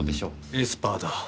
エスパーだ。